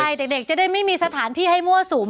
ใช่เด็กจะได้ไม่มีสถานที่ให้มั่วสุม